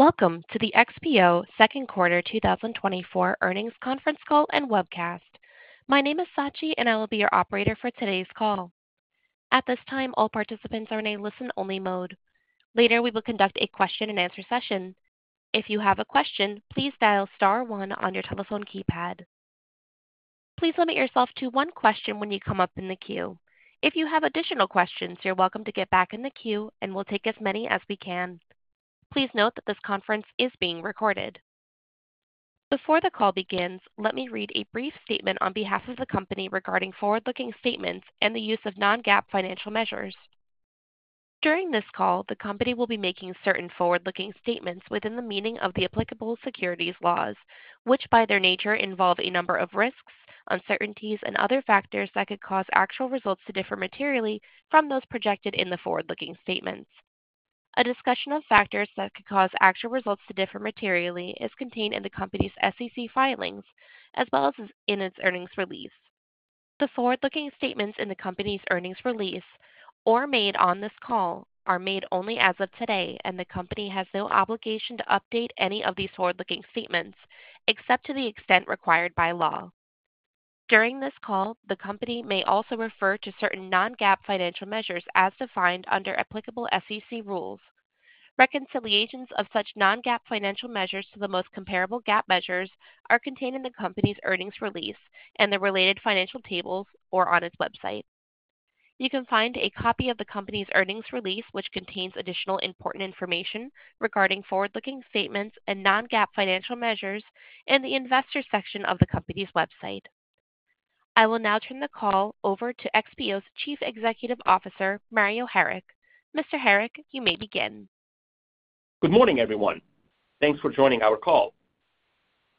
Welcome to the XPO Second Quarter 2024 Earnings Conference Call and Webcast. My name is Sachi, and I will be your operator for today's call. At this time, all participants are in a listen-only mode. Later, we will conduct a question-and-answer session. If you have a question, please dial star one on your telephone keypad. Please limit yourself to one question when you come up in the queue. If you have additional questions, you're welcome to get back in the queue, and we'll take as many as we can. Please note that this conference is being recorded. Before the call begins, let me read a brief statement on behalf of the company regarding forward-looking statements and the use of non-GAAP financial measures. During this call, the company will be making certain forward-looking statements within the meaning of the applicable securities laws, which by their nature involve a number of risks, uncertainties, and other factors that could cause actual results to differ materially from those projected in the forward-looking statements. A discussion of factors that could cause actual results to differ materially is contained in the company's SEC filings as well as in its earnings release. The forward-looking statements in the company's earnings release or made on this call are made only as of today, and the company has no obligation to update any of these forward-looking statements except to the extent required by law. During this call, the company may also refer to certain non-GAAP financial measures as defined under applicable SEC rules. Reconciliations of such non-GAAP financial measures to the most comparable GAAP measures are contained in the company's earnings release and the related financial tables or on its website. You can find a copy of the company's earnings release, which contains additional important information regarding forward-looking statements and non-GAAP financial measures, in the investor section of the company's website. I will now turn the call over to XPO's Chief Executive Officer, Mario Harik. Mr. Harik, you may begin. Good morning, everyone. Thanks for joining our call.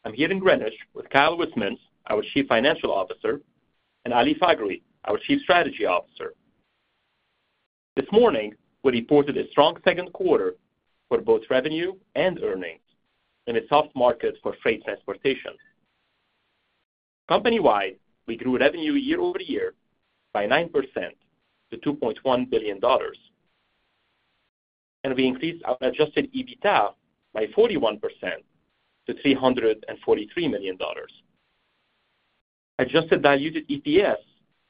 I'm here in Greenwich with Kyle Wismans, our Chief Financial Officer, and Ali Faghri, our Chief Strategy Officer. This morning, we reported a strong second quarter for both revenue and earnings in a soft market for freight transportation. Company-wide, we grew revenue year-over-year by 9% to $2.1 billion, and we increased our adjusted EBITDA by 41% to $343 million. Adjusted Diluted EPS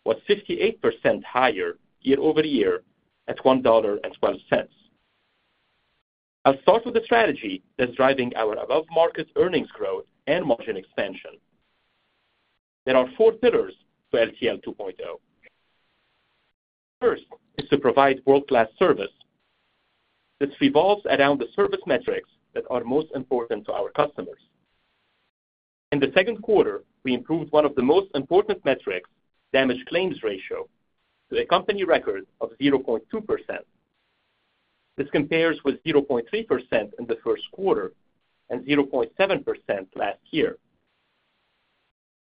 was 58% higher year-over-year at $1.12. I'll start with the strategy that's driving our above-market earnings growth and margin expansion. There are four pillars to LTL 2.0. The first is to provide world-class service. This revolves around the service metrics that are most important to our customers. In the second quarter, we improved one of the most important metrics, damage claims ratio, to a company record of 0.2%. This compares with 0.3% in the first quarter and 0.7% last year.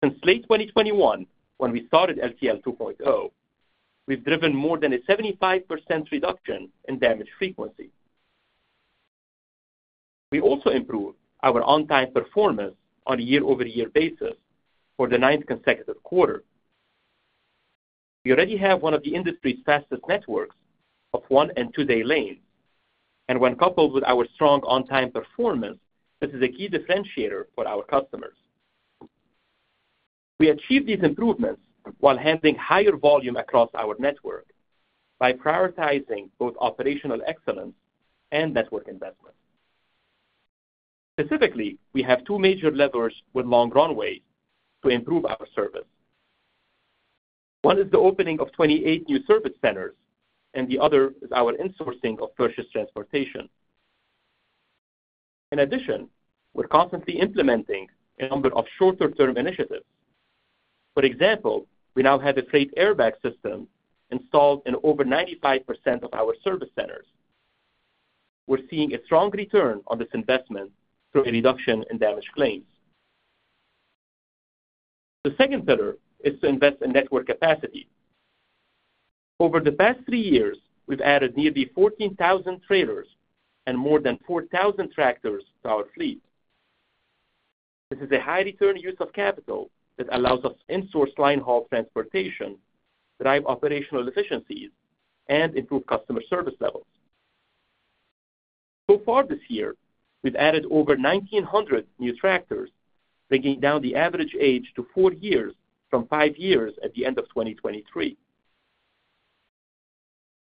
Since late 2021, when we started LTL 2.0, we've driven more than a 75% reduction in damage frequency. We also improved our on-time performance on a year-over-year basis for the ninth consecutive quarter. We already have one of the industry's fastest networks of one and two-day lanes, and when coupled with our strong on-time performance, this is a key differentiator for our customers. We achieved these improvements while handling higher volume across our network by prioritizing both operational excellence and network investment. Specifically, we have two major levers with long runways to improve our service. One is the opening of 28 new service centers, and the other is our insourcing of purchased transportation. In addition, we're constantly implementing a number of shorter-term initiatives. For example, we now have a freight airbag system installed in over 95% of our service centers. We're seeing a strong return on this investment through a reduction in damage claims. The second pillar is to invest in network capacity. Over the past three years, we've added nearly 14,000 trailers and more than 4,000 tractors to our fleet. This is a high-return use of capital that allows us to insource line-haul transportation, drive operational efficiencies, and improve customer service levels. So far this year, we've added over 1,900 new tractors, bringing down the average age to four years from five years at the end of 2023.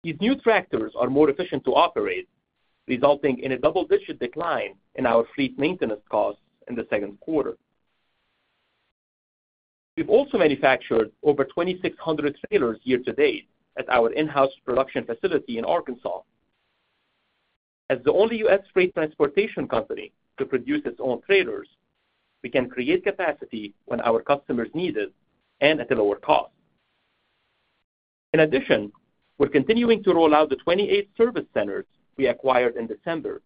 These new tractors are more efficient to operate, resulting in a double-digit decline in our fleet maintenance costs in the second quarter. We've also manufactured over 2,600 trailers year to date at our in-house production facility in Arkansas. As the only U.S. Freight transportation company to produce its own trailers, we can create capacity when our customers need it and at a lower cost. In addition, we're continuing to roll out the 28 service centers we acquired in December.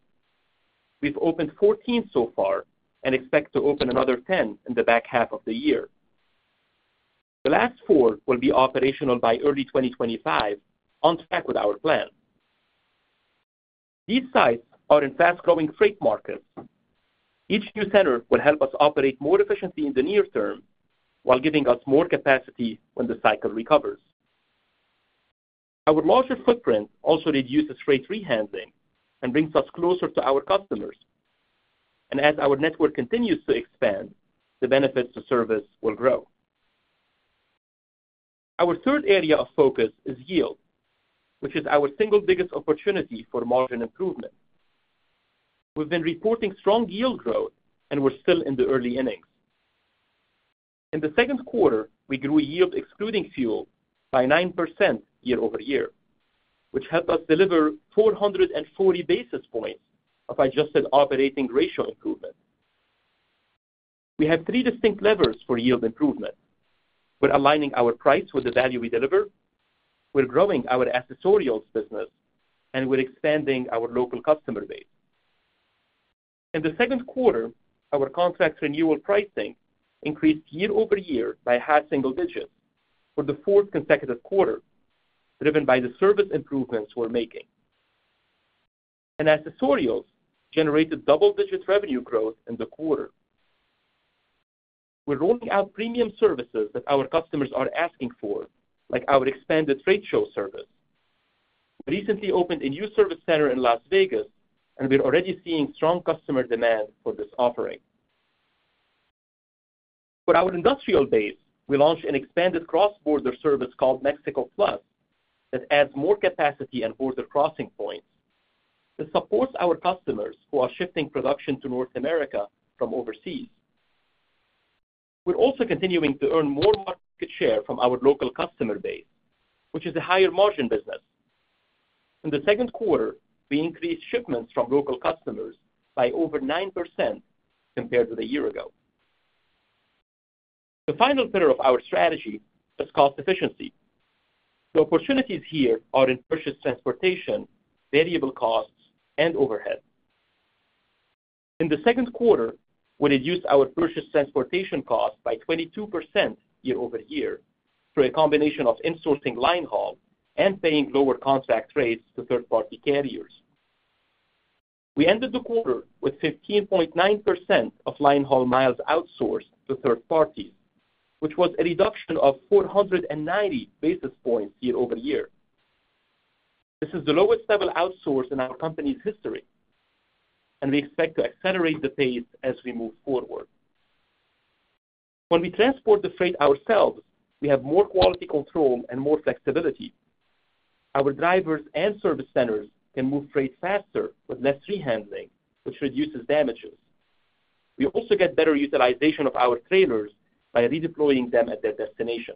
We've opened 14 so far and expect to open another 10 in the back half of the year. The last 4 will be operational by early 2025, on track with our plan. These sites are in fast-growing freight markets. Each new center will help us operate more efficiently in the near term while giving us more capacity when the cycle recovers. Our larger footprint also reduces freight rehandling and brings us closer to our customers. As our network continues to expand, the benefits to service will grow. Our third area of focus is yield, which is our single biggest opportunity for margin improvement. We've been reporting strong yield growth, and we're still in the early innings. In the second quarter, we grew yield excluding fuel by 9% year-over-year, which helped us deliver 440 basis points of adjusted operating ratio improvement. We have three distinct levers for yield improvement. We're aligning our price with the value we deliver. We're growing our accessorials business, and we're expanding our local customer base. In the second quarter, our contract renewal pricing increased year-over-year by half single digits for the fourth consecutive quarter, driven by the service improvements we're making. Accessorials generated double-digit revenue growth in the quarter. We're rolling out premium services that our customers are asking for, like our expanded trade show service. We recently opened a new service center in Las Vegas, and we're already seeing strong customer demand for this offering. For our industrial base, we launched an expanded cross-border service called Mexico Plus that adds more capacity and border crossing points. This supports our customers who are shifting production to North America from overseas. We're also continuing to earn more market share from our local customer base, which is a higher margin business. In the second quarter, we increased shipments from local customers by over 9% compared to the year-ago. The final pillar of our strategy is cost efficiency. The opportunities here are in purchased transportation, variable costs, and overhead. In the second quarter, we reduced our purchased transportation cost by 22% year-over-year through a combination of insourcing linehaul and paying lower contract rates to third-party carriers. We ended the quarter with 15.9% of linehaul miles outsourced to third parties, which was a reduction of 490 basis points year-over-year. This is the lowest level outsourced in our company's history, and we expect to accelerate the pace as we move forward. When we transport the freight ourselves, we have more quality control and more flexibility. Our drivers and service centers can move freight faster with less rehandling, which reduces damages. We also get better utilization of our trailers by redeploying them at their destination.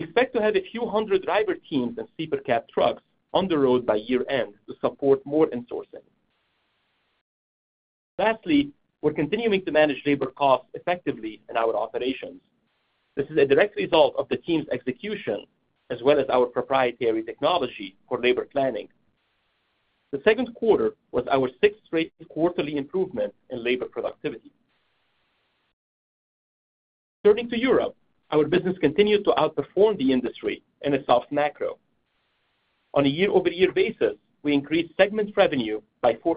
We expect to have a few hundred driver teams and sleeper cab trucks on the road by year-end to support more insourcing. Lastly, we're continuing to manage labor costs effectively in our operations. This is a direct result of the team's execution, as well as our proprietary technology for labor planning. The second quarter was our sixth straight quarterly improvement in labor productivity. Turning to Europe, our business continued to outperform the industry in a soft macro. On a year-over-year basis, we increased segment revenue by 4%.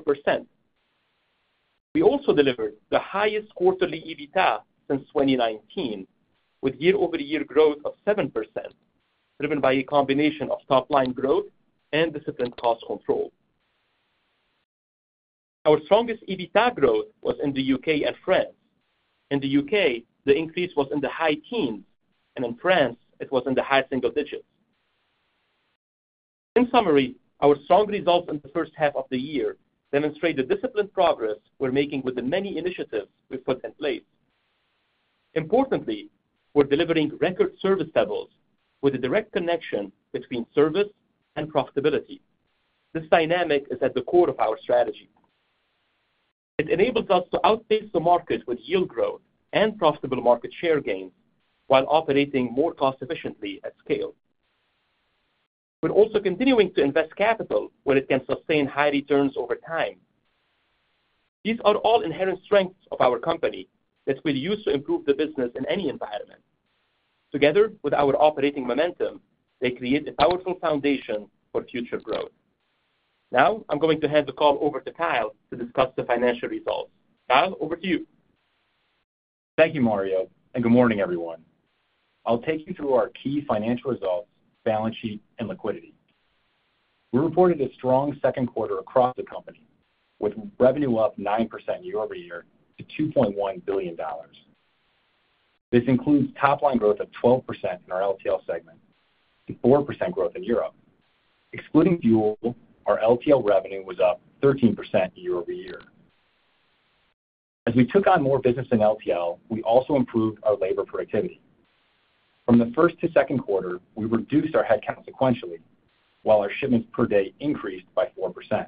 We also delivered the highest quarterly EBITDA since 2019, with year-over-year growth of 7%, driven by a combination of top-line growth and disciplined cost control. Our strongest EBITDA growth was in the UK and France. In the UK, the increase was in the high teens, and in France, it was in the high single digits. In summary, our strong results in the first half of the year demonstrate the disciplined progress we're making with the many initiatives we've put in place. Importantly, we're delivering record service levels with a direct connection between service and profitability. This dynamic is at the core of our strategy. It enables us to outpace the market with yield growth and profitable market share gains while operating more cost-efficiently at scale. We're also continuing to invest capital when it can sustain high returns over time. These are all inherent strengths of our company that we'll use to improve the business in any environment. Together with our operating momentum, they create a powerful foundation for future growth. Now, I'm going to hand the call over to Kyle to discuss the financial results. Kyle, over to you. Thank you, Mario, and good morning, everyone. I'll take you through our key financial results, balance sheet, and liquidity. We reported a strong second quarter across the company, with revenue up 9% year-over-year to $2.1 billion. This includes top-line growth of 12% in our LTL segment to 4% growth in Europe. Excluding fuel, our LTL revenue was up 13% year-over-year. As we took on more business in LTL, we also improved our labor productivity. From the first to second quarter, we reduced our headcount sequentially, while our shipments per day increased by 4%.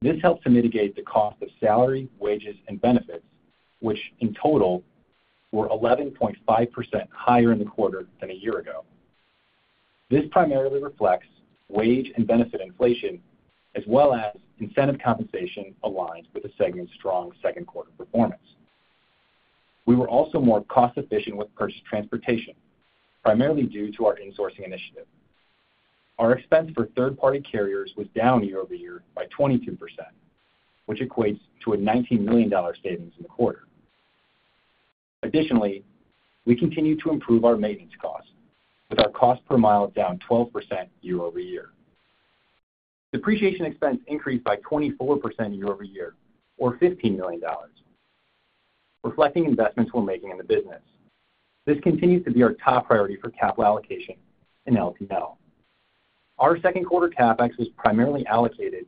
This helped to mitigate the cost of salary, wages, and benefits, which in total were 11.5% higher in the quarter than a year ago. This primarily reflects wage and benefit inflation, as well as incentive compensation aligned with the segment's strong second quarter performance. We were also more cost-efficient with purchased transportation, primarily due to our insourcing initiative. Our expense for third-party carriers was down year-over-year by 22%, which equates to a $19 million savings in the quarter. Additionally, we continue to improve our maintenance costs, with our cost per mile down 12% year-over-year. Depreciation expense increased by 24% year-over-year, or $15 million, reflecting investments we're making in the business. This continues to be our top priority for capital allocation in LTL. Our second quarter CapEx was primarily allocated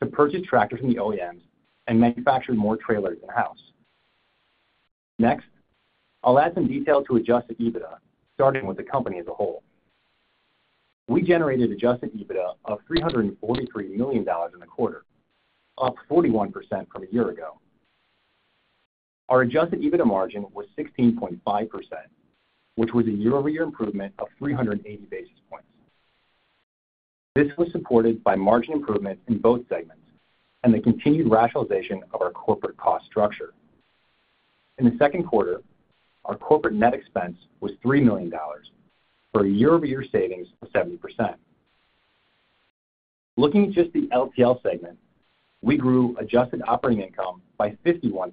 to purchased tractors and the OEMs and manufactured more trailers in-house. Next, I'll add some detail to Adjusted EBITDA, starting with the company as a whole. We generated Adjusted EBITDA of $343 million in the quarter, up 41% from a year ago. Our Adjusted EBITDA margin was 16.5%, which was a year-over-year improvement of 380 basis points. This was supported by margin improvements in both segments and the continued rationalization of our corporate cost structure. In the second quarter, our corporate net expense was $3 million, for a year-over-year savings of 70%. Looking at just the LTL segment, we grew adjusted operating income by 51%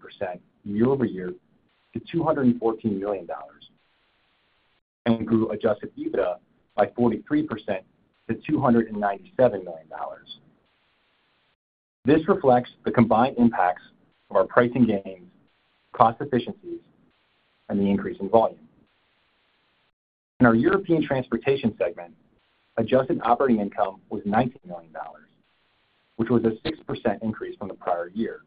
year-over-year to $214 million, and we grew Adjusted EBITDA by 43% to $297 million. This reflects the combined impacts of our pricing gains, cost efficiencies, and the increase in volume. In our European transportation segment, adjusted operating income was $19 million, which was a 6% increase from the prior year.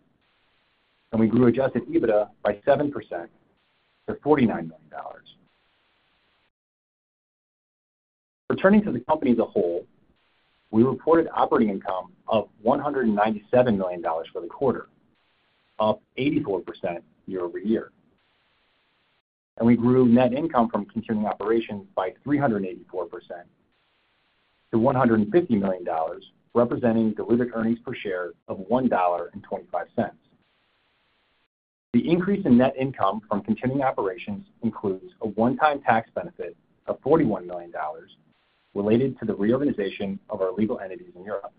We grew Adjusted EBITDA by 7% to $49 million. Returning to the company as a whole, we reported operating income of $197 million for the quarter, up 84% year-over-year. We grew net income from continuing operations by 384% to $150 million, representing delivered earnings per share of $1.25. The increase in net income from continuing operations includes a one-time tax benefit of $41 million related to the reorganization of our legal entities in Europe.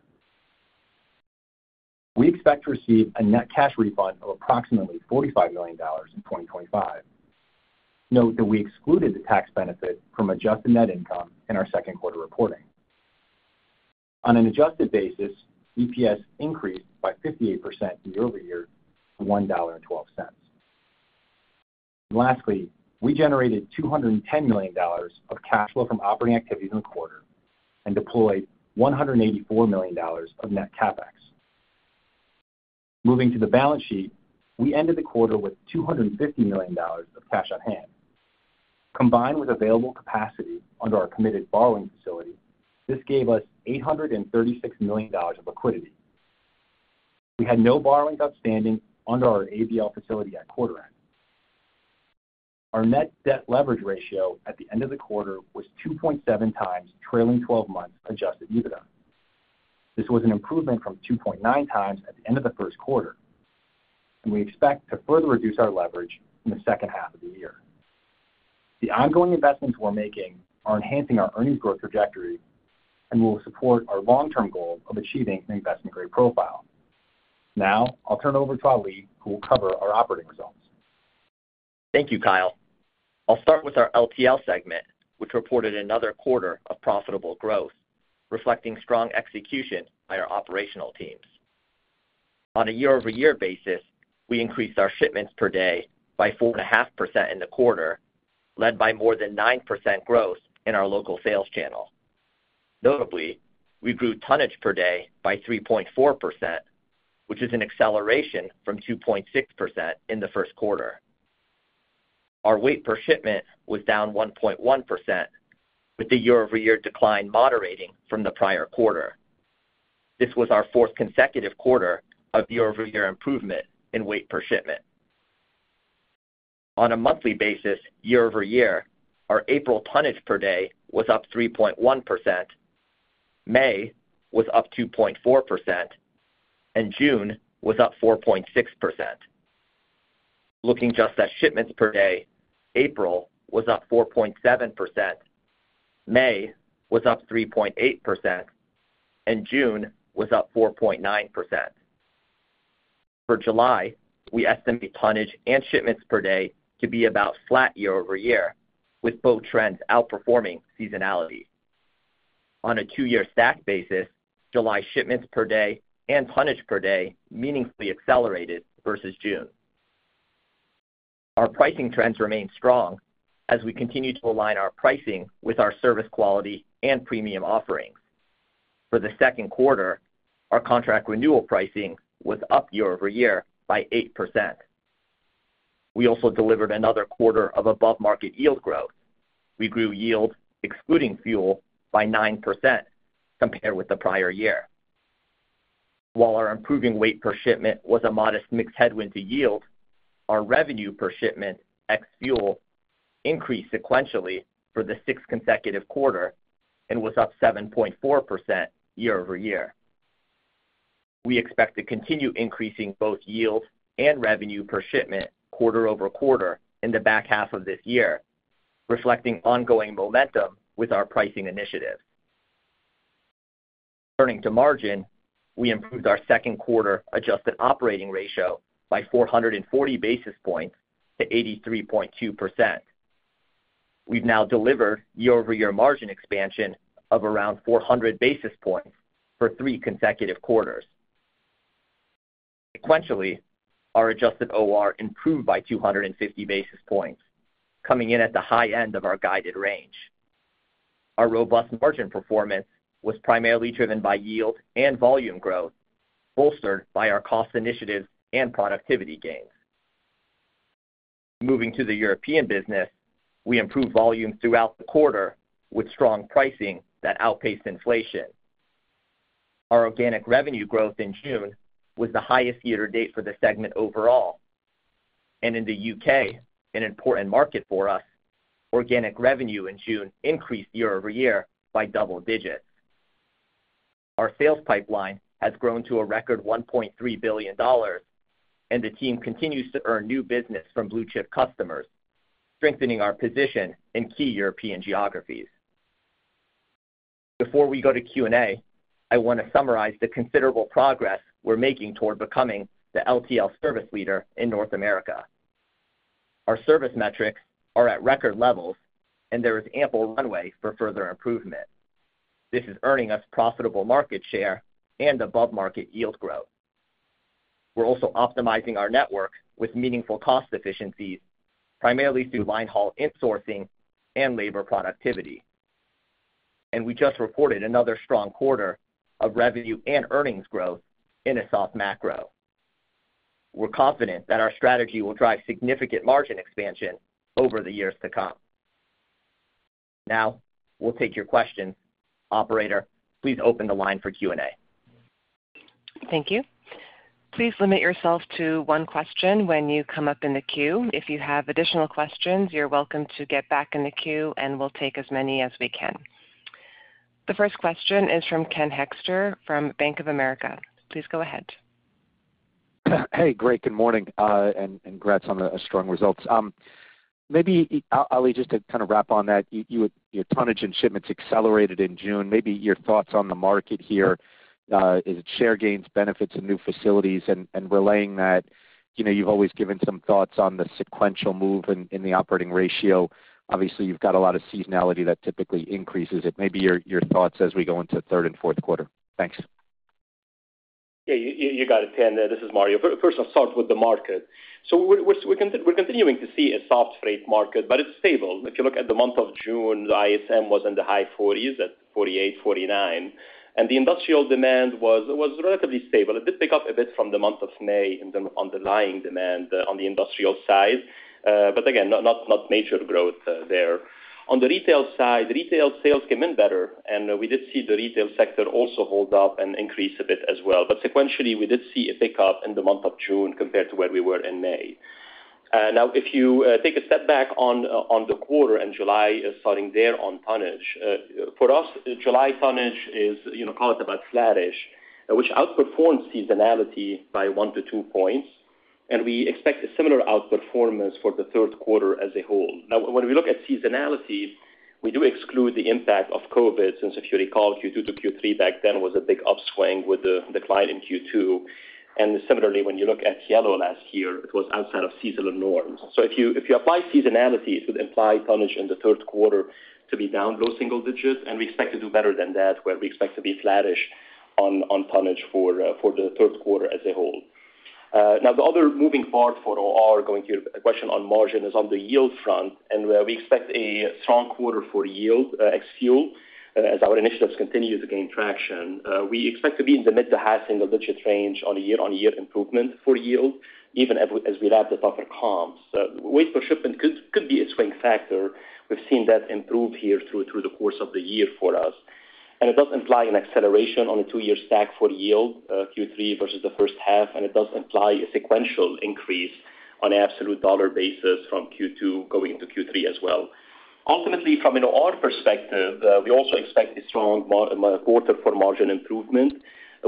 We expect to receive a net cash refund of approximately $45 million in 2025. Note that we excluded the tax benefit from adjusted net income in our second quarter reporting. On an adjusted basis, EPS increased by 58% year-over-year to $1.12. Lastly, we generated $210 million of cash flow from operating activity in the quarter and deployed $184 million of net CapEx. Moving to the balance sheet, we ended the quarter with $250 million of cash on hand. Combined with available capacity under our committed borrowing facility, this gave us $836 million of liquidity. We had no borrowings outstanding under our ABL facility at quarter end. Our net debt leverage ratio at the end of the quarter was 2.7 times trailing 12 months Adjusted EBITDA. This was an improvement from 2.9x at the end of the first quarter, and we expect to further reduce our leverage in the second half of the year. The ongoing investments we're making are enhancing our earnings growth trajectory and will support our long-term goal of achieving an investment-grade profile. Now, I'll turn it over to Ali, who will cover our operating results. Thank you, Kyle. I'll start with our LTL segment, which reported another quarter of profitable growth, reflecting strong execution by our operational teams. On a year-over-year basis, we increased our shipments per day by 4.5% in the quarter, led by more than 9% growth in our local sales channel. Notably, we grew tonnage per day by 3.4%, which is an acceleration from 2.6% in the first quarter. Our weight per shipment was down 1.1%, with the year-over-year decline moderating from the prior quarter. This was our fourth consecutive quarter of year-over-year improvement in weight per shipment. On a monthly basis, year over year, our April tonnage per day was up 3.1%, May was up 2.4%, and June was up 4.6%. Looking just at shipments per day, April was up 4.7%, May was up 3.8%, and June was up 4.9%. For July, we estimate tonnage and shipments per day to be about flat year over year, with both trends outperforming seasonality. On a two-year stack basis, July shipments per day and tonnage per day meaningfully accelerated versus June. Our pricing trends remain strong as we continue to align our pricing with our service quality and premium offerings. For the second quarter, our contract renewal pricing was up year over year by 8%. We also delivered another quarter of above-market yield growth. We grew yield, excluding fuel, by 9% compared with the prior year. While our improving weight per shipment was a modest mixed headwind to yield, our revenue per shipment, ex-fuel, increased sequentially for the sixth consecutive quarter and was up 7.4% year over year. We expect to continue increasing both yield and revenue per shipment quarter-over-quarter in the back half of this year, reflecting ongoing momentum with our pricing initiatives. Turning to margin, we improved our second quarter adjusted operating ratio by 440 basis points to 83.2%. We've now delivered year-over-year margin expansion of around 400 basis points for three consecutive quarters. Sequentially, our adjusted OR improved by 250 basis points, coming in at the high end of our guided range. Our robust margin performance was primarily driven by yield and volume growth, bolstered by our cost initiatives and productivity gains. Moving to the European business, we improved volume throughout the quarter with strong pricing that outpaced inflation. Our organic revenue growth in June was the highest year-to-date for the segment overall. In the U.K., an important market for us, organic revenue in June increased year over year by double digits. Our sales pipeline has grown to a record $1.3 billion, and the team continues to earn new business from blue chip customers, strengthening our position in key European geographies. Before we go to Q&A, I want to summarize the considerable progress we're making toward becoming the LTL service leader in North America. Our service metrics are at record levels, and there is ample runway for further improvement. This is earning us profitable market share and above-market yield growth. We're also optimizing our network with meaningful cost efficiencies, primarily through linehaul insourcing and labor productivity. We just reported another strong quarter of revenue and earnings growth in a soft macro. We're confident that our strategy will drive significant margin expansion over the years to come. Now, we'll take your questions. Operator, please open the line for Q&A. Thank you. Please limit yourself to one question when you come up in the queue. If you have additional questions, you're welcome to get back in the queue, and we'll take as many as we can. The first question is from Ken Hoexter from Bank of America. Please go ahead. Hey, Greg, good morning, and congrats on the strong results. Maybe, Ali, just to kind of wrap on that, your tonnage and shipments accelerated in June. Maybe your thoughts on the market here. Is it share gains, benefits, and new facilities, and relaying that you've always given some thoughts on the sequential move in the operating ratio. Obviously, you've got a lot of seasonality that typically increases it. Maybe your thoughts as we go into the third and fourth quarter. Thanks. Yeah, you got it, Ken. This is Mario. First, I'll start with the market. So we're continuing to see a soft rate market, but it's stable. If you look at the month of June, the ISM was in the high 40s, at 48, 49. And the industrial demand was relatively stable. It did pick up a bit from the month of May in terms of underlying demand on the industrial side, but again, not major growth there. On the retail side, retail sales came in better, and we did see the retail sector also hold up and increase a bit as well. But sequentially, we did see a pickup in the month of June compared to where we were in May. Now, if you take a step back on the quarter and July starting there on tonnage, for us, July tonnage is, call it about flatish, which outperformed seasonality by 1-2 points. And we expect a similar outperformance for the third quarter as a whole. Now, when we look at seasonality, we do exclude the impact of COVID. Since if you recall, Q2 to Q3 back then was a big upswing with the decline in Q2. And similarly, when you look at Yellow last year, it was outside of seasonal norms. So if you apply seasonality, it would imply tonnage in the third quarter to be down low single digits. And we expect to do better than that, where we expect to be flatish on tonnage for the third quarter as a whole. Now, the other moving part for OR, going to your question on margin, is on the yield front, and where we expect a strong quarter for yield, ex-fuel, as our initiatives continue to gain traction. We expect to be in the mid to high single digit range on a year-on-year improvement for yield, even as we wrap the tougher comps. Weight per shipment could be a swing factor. We've seen that improve here through the course of the year for us. And it does imply an acceleration on a two-year stack for yield, Q3 versus the first half. And it does imply a sequential increase on an absolute dollar basis from Q2 going into Q3 as well. Ultimately, from an OR perspective, we also expect a strong quarter for margin improvement.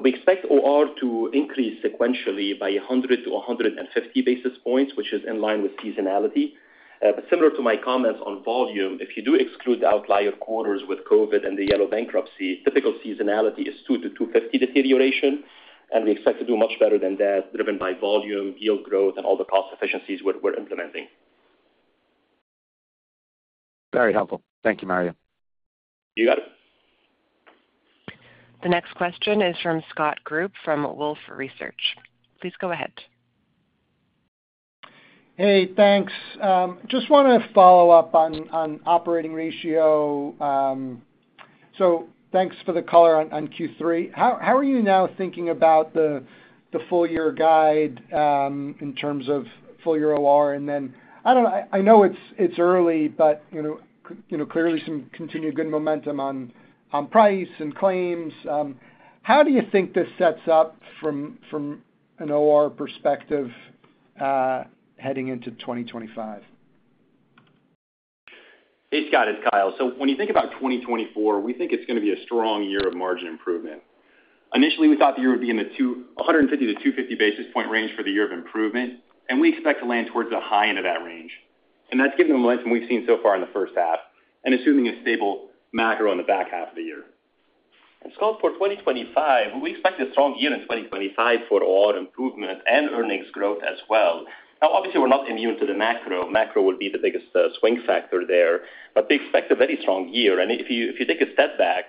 We expect OR to increase sequentially by 100-150 basis points, which is in line with seasonality. But similar to my comments on volume, if you do exclude the outlier quarters with COVID and the Yellow bankruptcy, typical seasonality is 200-250 deterioration. We expect to do much better than that, driven by volume, yield growth, and all the cost efficiencies we're implementing. Very helpful. Thank you, Mario. You got it. The next question is from Scott Group from Wolfe Research. Please go ahead. Hey, thanks. Just want to follow up on operating ratio. So thanks for the color on Q3. How are you now thinking about the full-year guide in terms of full-year OR? And then I know it's early, but clearly some continued good momentum on price and claims. How do you think this sets up from an OR perspective heading into 2025? Hey, Scott, it's Kyle. So when you think about 2024, we think it's going to be a strong year of margin improvement. Initially, we thought the year would be in the 150-250 basis point range for the year of improvement, and we expect to land towards the high end of that range. That's given the momentum we've seen so far in the first half, and assuming a stable macro in the back half of the year. Scott, for 2025, we expect a strong year in 2025 for OR improvement and earnings growth as well. Now, obviously, we're not immune to the macro. Macro would be the biggest swing factor there, but we expect a very strong year. If you take a step back,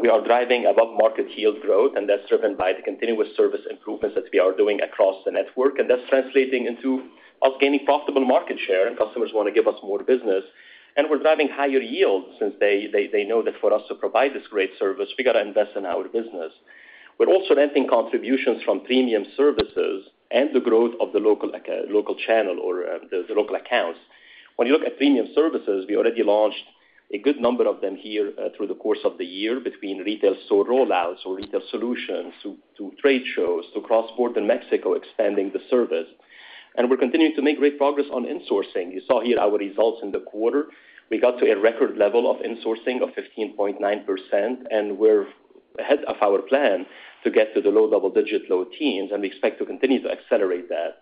we are driving above-market yield growth, and that's driven by the continuous service improvements that we are doing across the network. That's translating into us gaining profitable market share, and customers want to give us more business. We're driving higher yield since they know that for us to provide this great service, we got to invest in our business. We're also renting contributions from premium services and the growth of the local channel or the local accounts. When you look at premium services, we already launched a good number of them here through the course of the year between Retail Store Rollouts or Retail Solutions to trade shows to cross-border Mexico expanding the service. We're continuing to make great progress on insourcing. You saw here our results in the quarter. We got to a record level of insourcing of 15.9%, and we're ahead of our plan to get to the low double-digit low teens, and we expect to continue to accelerate that.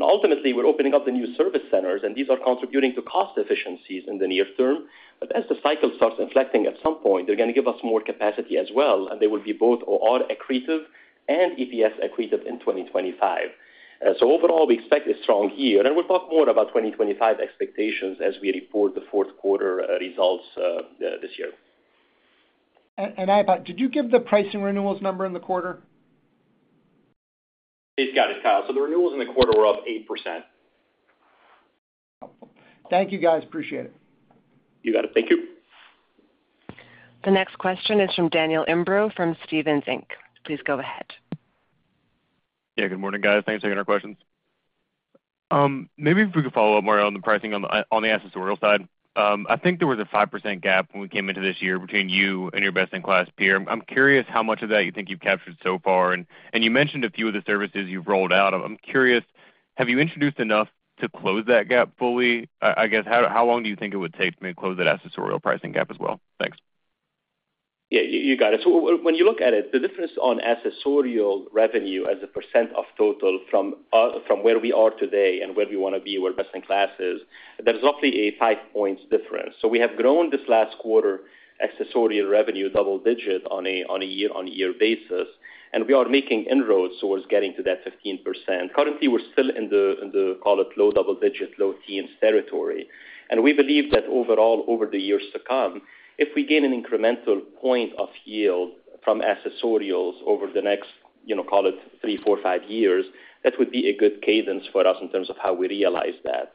Ultimately, we're opening up the new service centers, and these are contributing to cost efficiencies in the near term. But as the cycle starts inflecting at some point, they're going to give us more capacity as well, and they will be both OR-accretive and EPS-accretive in 2025. Overall, we expect a strong year, and we'll talk more about 2025 expectations as we report the fourth quarter results this year. I thought, did you give the pricing renewals number in the quarter? Hey, Scott, Kyle. The renewals in the quarter were up 8%. Thank you, guys. Appreciate it. You got it. Thank you. The next question is from Daniel Imbro from Stephens Inc. Please go ahead. Yeah, good morning, guys. Thanks for taking our questions. Maybe if we could follow up more on the pricing on the accessorial side. I think there was a 5% gap when we came into this year between you and your best-in-class peer. I'm curious how much of that you think you've captured so far. And you mentioned a few of the services you've rolled out. I'm curious, have you introduced enough to close that gap fully? I guess, how long do you think it would take to close that accessorial pricing gap as well? Thanks. Yeah, you got it. So when you look at it, the difference on accessorial revenue as a percent of total from where we are today and where we want to be, where best-in-class is, there's roughly a 5-point difference. So we have grown this last quarter accessorial revenue double-digit on a year-on-year basis, and we are making inroads towards getting to that 15%. Currently, we're still in the, call it, low double-digit, low teens territory. And we believe that overall, over the years to come, if we gain an incremental point of yield from accessorials over the next, call it, 3, 4, 5 years, that would be a good cadence for us in terms of how we realize that.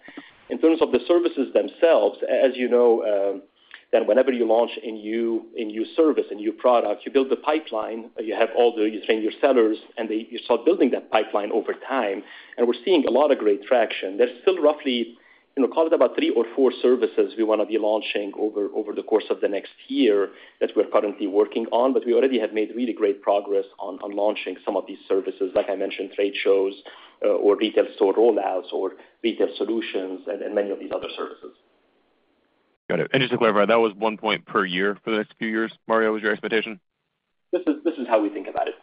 In terms of the services themselves, as you know, that whenever you launch a new service, a new product, you build the pipeline, you train your sellers, and you start building that pipeline over time. We're seeing a lot of great traction. There's still roughly, call it about three or four services we want to be launching over the course of the next year that we're currently working on, but we already have made really great progress on launching some of these services, like I mentioned, trade shows or retail store rollouts or retail solutions and many of these other services. Got it. Just to clarify, that was 1 point per year for the next few years. Mario, was your expectation? This is how we think about it.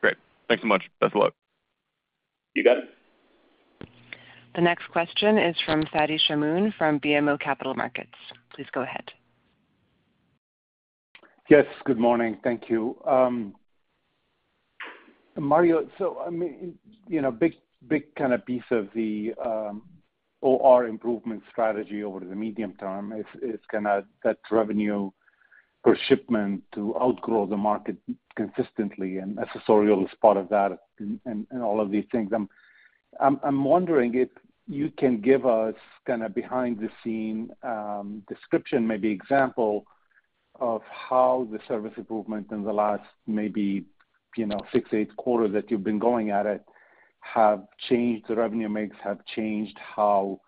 Great. Thanks so much. Best of luck. You got it. The next question is from Fadi Chamoun from BMO Capital Markets. Please go ahead. Yes, good morning. Thank you. Mario, so a big kind of piece of the OR improvement strategy over the medium term is kind of that revenue per shipment to outgrow the market consistently, and accessorial is part of that and all of these things. I'm wondering if you can give us kind of behind-the-scenes description, maybe example of how the service improvement in the last maybe 6-8 quarters that you've been going at it have changed the revenue mix, have changed how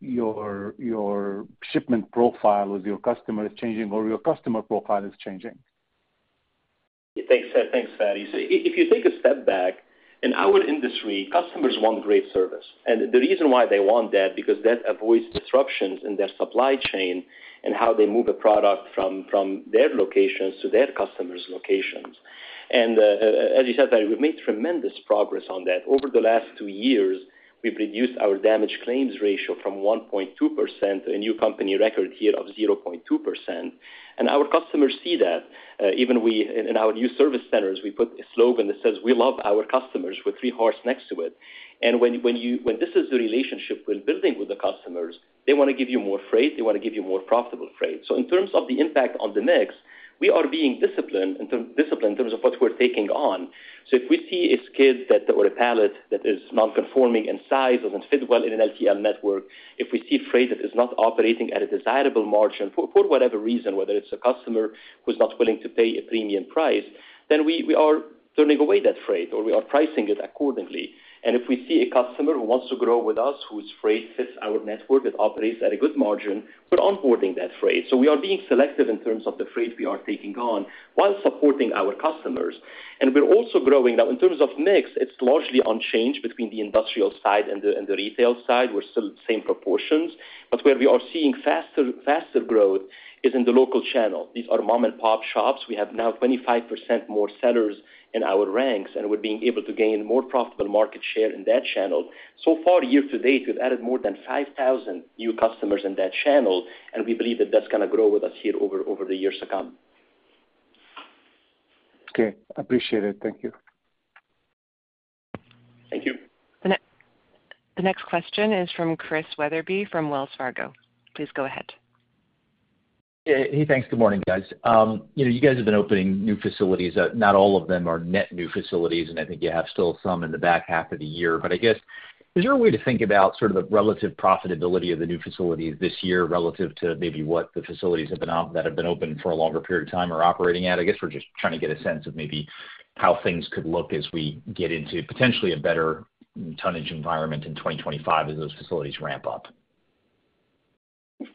your shipment profile with your customers changing, or your customer profile is changing. Thanks, Fadi. If you take a step back, in our industry, customers want great service. The reason why they want that is because that avoids disruptions in their supply chain and how they move a product from their locations to their customers' locations. As you said, we've made tremendous progress on that. Over the last two years, we've reduced our damage claims ratio from 1.2% to a new company record here of 0.2%. Our customers see that. Even in our new service centers, we put a slogan that says, "We love our customers," with three hearts next to it. When this is the relationship we're building with the customers, they want to give you more freight. They want to give you more profitable freight. In terms of the impact on the mix, we are being disciplined in terms of what we're taking on. So if we see a skid or a pallet that is non-conforming in size, doesn't fit well in an LTL network, if we see freight that is not operating at a desirable margin for whatever reason, whether it's a customer who's not willing to pay a premium price, then we are turning away that freight or we are pricing it accordingly. And if we see a customer who wants to grow with us, whose freight fits our network, it operates at a good margin, we're onboarding that freight. So we are being selective in terms of the freight we are taking on while supporting our customers. And we're also growing. Now, in terms of mix, it's largely unchanged between the industrial side and the retail side. We're still the same proportions. But where we are seeing faster growth is in the local channel. These are mom-and-pop shops. We have now 25% more sellers in our ranks, and we're being able to gain more profitable market share in that channel. So far, year to date, we've added more than 5,000 new customers in that channel, and we believe that that's going to grow with us here over the years to come. Okay. Appreciate it. Thank you. Thank you. The next question is from Chris Wetherbee from Wells Fargo. Please go ahead. Hey, thanks. Good morning, guys. You guys have been opening new facilities. Not all of them are net new facilities, and I think you have still some in the back half of the year. But I guess, is there a way to think about sort of the relative profitability of the new facilities this year relative to maybe what the facilities that have been open for a longer period of time are operating at? I guess we're just trying to get a sense of maybe how things could look as we get into potentially a better tonnage environment in 2025 as those facilities ramp up.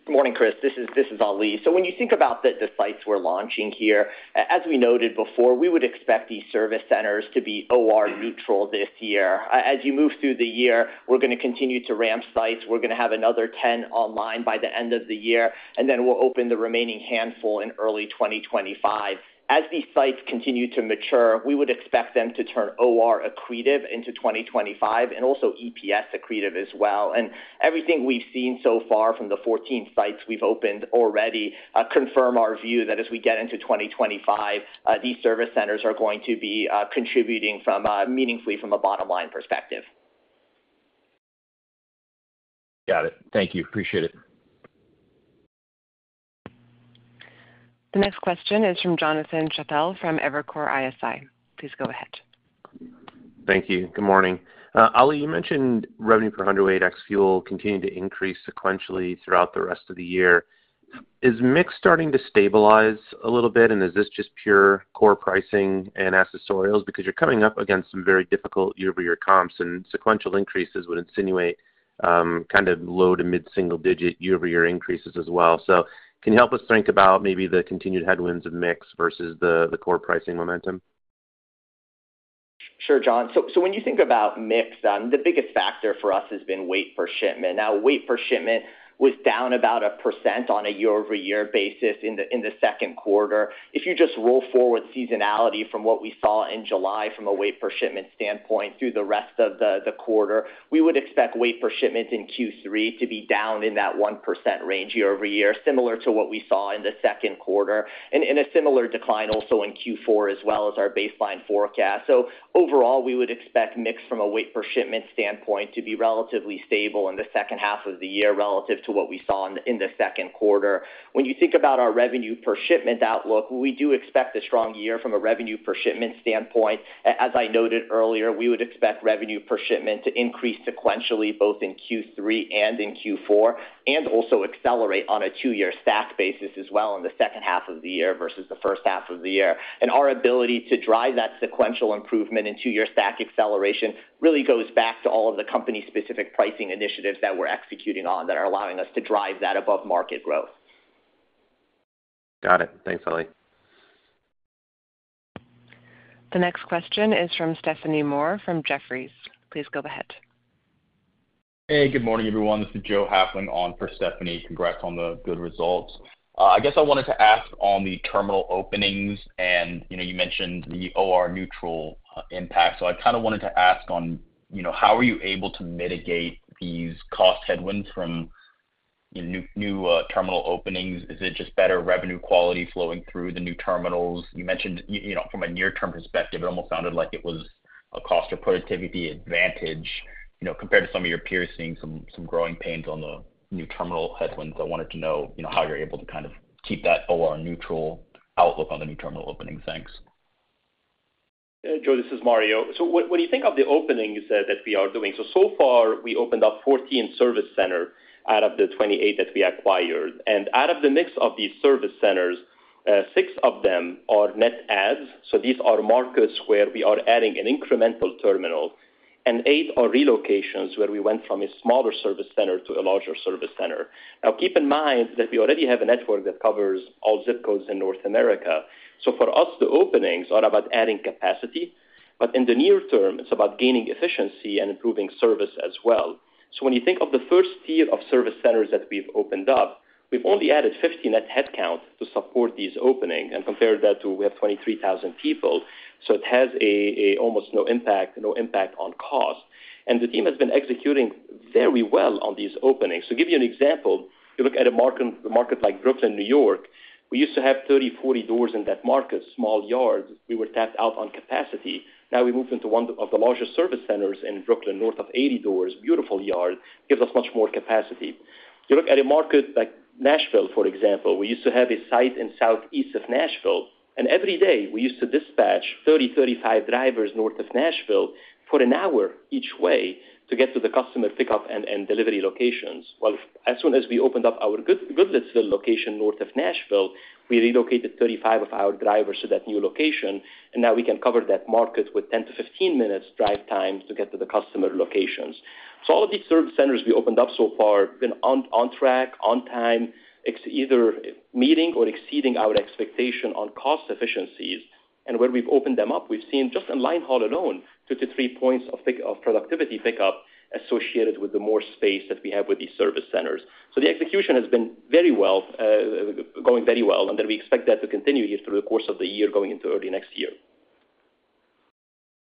Good morning, Chris. This is Ali. So when you think about the sites we're launching here, as we noted before, we would expect these service centers to be OR-neutral this year. As you move through the year, we're going to continue to ramp sites. We're going to have another 10 online by the end of the year, and then we'll open the remaining handful in early 2025. As these sites continue to mature, we would expect them to turn OR-accretive into 2025 and also EPS-accretive as well. And everything we've seen so far from the 14 sites we've opened already confirm our view that as we get into 2025, these service centers are going to be contributing meaningfully from a bottom-line perspective. Got it. Thank you. Appreciate it. The next question is from Jonathan Chappell from Evercore ISI. Please go ahead. Thank you. Good morning. Ali, you mentioned revenue per hundredweight ex-fuel continuing to increase sequentially throughout the rest of the year. Is mix starting to stabilize a little bit, and is this just pure core pricing and accessorials? Because you're coming up against some very difficult year-over-year comps, and sequential increases would insinuate kind of low- to mid-single-digit year-over-year increases as well. So can you help us think about maybe the continued headwinds of mix versus the core pricing momentum? Sure, John. So when you think about mix, the biggest factor for us has been weight-per-shipment. Now, weight-per-shipment was down about 1% on a year-over-year basis in the second quarter. If you just roll forward seasonality from what we saw in July from a weight-per-shipment standpoint through the rest of the quarter, we would expect weight-per-shipment in Q3 to be down in that 1% range year-over-year, similar to what we saw in the second quarter, and a similar decline also in Q4 as well as our baseline forecast. So overall, we would expect mix from a weight-per-shipment standpoint to be relatively stable in the second half of the year relative to what we saw in the second quarter. When you think about our revenue per shipment outlook, we do expect a strong year from a revenue per shipment standpoint. As I noted earlier, we would expect revenue per shipment to increase sequentially both in Q3 and in Q4 and also accelerate on a 2-year stack basis as well in the second half of the year versus the first half of the year. And our ability to drive that sequential improvement in 2-year stack acceleration really goes back to all of the company-specific pricing initiatives that we're executing on that are allowing us to drive that above-market growth. Got it. Thanks, Ali. The next question is from Stephanie Moore from Jefferies. Please go ahead. Hey, good morning, everyone. This is Joe Hafling on for Stephanie. Congrats on the good results. I guess I wanted to ask on the terminal openings, and you mentioned the OR-neutral impact. So I kind of wanted to ask on how are you able to mitigate these cost headwinds from new terminal openings? Is it just better revenue quality flowing through the new terminals? You mentioned from a near-term perspective, it almost sounded like it was a cost or productivity advantage compared to some of your peers seeing some growing pains on the new terminal headwinds. I wanted to know how you're able to kind of keep that OR-neutral outlook on the new terminal openings. Thanks. Joe, this is Mario. When you think of the openings that we are doing, so far, we opened up 14 service centers out of the 28 that we acquired. Out of the mix of these service centers, six of them are net adds. These are markets where we are adding an incremental terminal, and eight are relocations where we went from a smaller service center to a larger service center. Now, keep in mind that we already have a network that covers all ZIP codes in North America. For us, the openings are about adding capacity, but in the near term, it’s about gaining efficiency and improving service as well. When you think of the first tier of service centers that we’ve opened up, we’ve only added 50 net headcount to support these openings and compared that to we have 23,000 people. It has almost no impact on cost. The team has been executing very well on these openings. To give you an example, you look at a market like Brooklyn, New York. We used to have 30, 40 doors in that market, small yards. We were tapped out on capacity. Now we moved into one of the larger service centers in Brooklyn, north of 80 doors, beautiful yard. It gives us much more capacity. You look at a market like Nashville, for example. We used to have a site in southeast of Nashville, and every day, we used to dispatch 30, 35 drivers north of Nashville for an hour each way to get to the customer pickup and delivery locations. Well, as soon as we opened up our Goodlettsville location north of Nashville, we relocated 35 of our drivers to that new location, and now we can cover that market with 10-15 minutes drive time to get to the customer locations. So all of these service centers we opened up so far have been on track, on time, either meeting or exceeding our expectation on cost efficiencies. And where we've opened them up, we've seen just in line haul alone, 2-3 points of productivity pickup associated with the more space that we have with these service centers. So the execution has been very well, going very well, and then we expect that to continue here through the course of the year going into early next year.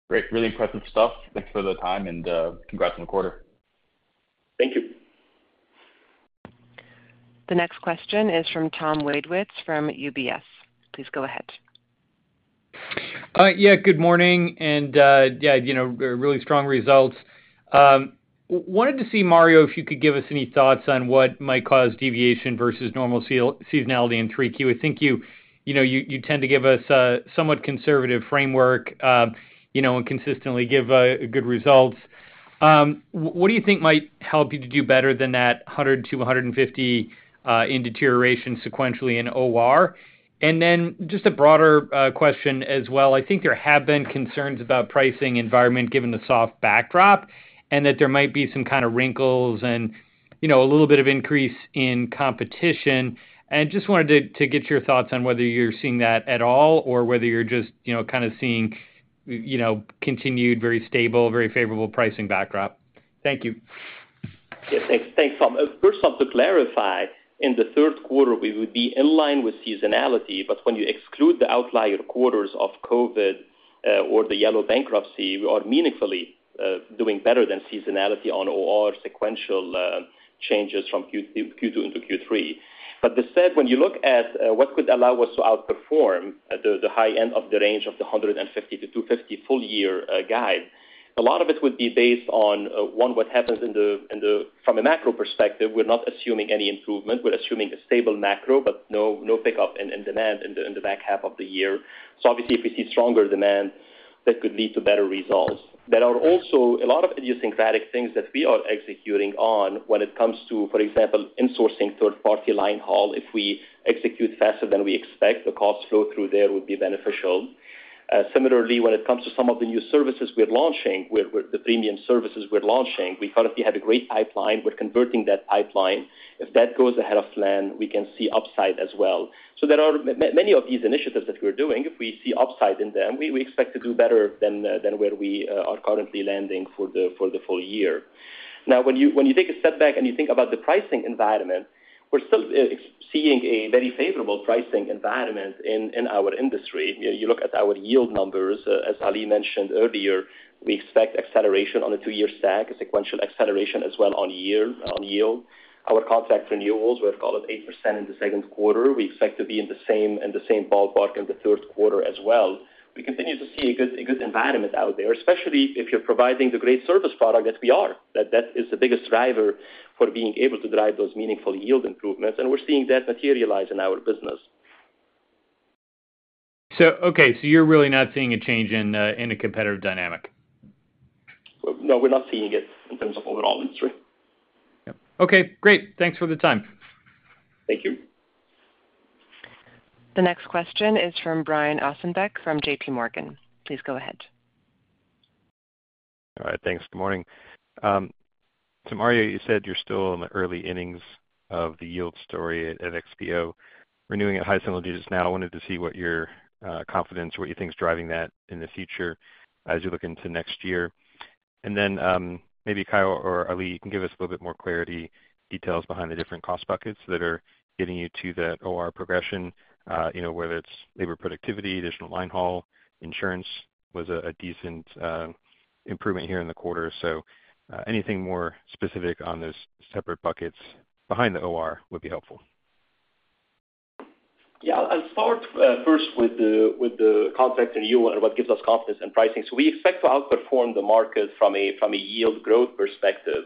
Great. Really impressive stuff. Thanks for the time, and congrats on the quarter. Thank you. The next question is from Tom Wadewitz from UBS. Please go ahead. Yeah, good morning. Yeah, really strong results. Wanted to see, Mario, if you could give us any thoughts on what might cause deviation versus normal seasonality in 3Q. We think you tend to give us a somewhat conservative framework and consistently give good results. What do you think might help you to do better than that 100-150 in deterioration sequentially in OR? And then just a broader question as well. I think there have been concerns about pricing environment given the soft backdrop and that there might be some kind of wrinkles and a little bit of increase in competition. And just wanted to get your thoughts on whether you're seeing that at all or whether you're just kind of seeing continued very stable, very favorable pricing backdrop. Thank you. Yeah, thanks, Tom. First off, to clarify, in the third quarter, we would be in line with seasonality, but when you exclude the outlier quarters of COVID or the Yellow bankruptcy, we are meaningfully doing better than seasonality on OR sequential changes from Q2 into Q3. But instead, when you look at what could allow us to outperform the high end of the range of the 150-250 full-year guide, a lot of it would be based on, one, what happens in the from a macro perspective, we're not assuming any improvement. We're assuming a stable macro, but no pickup in demand in the back half of the year. So obviously, if we see stronger demand, that could lead to better results. There are also a lot of idiosyncratic things that we are executing on when it comes to, for example, insourcing third-party line haul. If we execute faster than we expect, the cost flow through there would be beneficial. Similarly, when it comes to some of the new services we're launching, the premium services we're launching, we currently have a great pipeline. We're converting that pipeline. If that goes ahead of plan, we can see upside as well. So there are many of these initiatives that we're doing. If we see upside in them, we expect to do better than where we are currently landing for the full year. Now, when you take a step back and you think about the pricing environment, we're still seeing a very favorable pricing environment in our industry. You look at our yield numbers. As Ali mentioned earlier, we expect acceleration on a two-year stack, a sequential acceleration as well on yield. Our contract renewals, we've called it 8% in the second quarter. We expect to be in the same ballpark in the third quarter as well. We continue to see a good environment out there, especially if you're providing the great service product that we are. That is the biggest driver for being able to drive those meaningful yield improvements, and we're seeing that materialize in our business. Okay, so you're really not seeing a change in the competitive dynamic? No, we're not seeing it in terms of overall industry. Okay. Great. Thanks for the time. Thank you. The next question is from Brian Ossenbeck from JPMorgan. Please go ahead. All right. Thanks. Good morning. So Mario, you said you're still in the early innings of the yield story at XPO, renewing at high single digits now. I wanted to see what your confidence, what you think is driving that in the future as you look into next year. And then maybe Kyle or Ali, you can give us a little bit more clarity, details behind the different cost buckets that are getting you to that OR progression, whether it's labor productivity, additional line haul, insurance was a decent improvement here in the quarter. So anything more specific on those separate buckets behind the OR would be helpful. Yeah. I'll start first with the contract renewal and what gives us confidence in pricing. So we expect to outperform the market from a yield growth perspective,